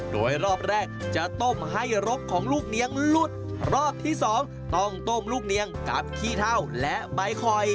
โดยรอบแรกจะต้มให้รกของลูกเนียงหลุดรอบที่สองต้องต้มลูกเนียงกับขี้เท่าและใบคอย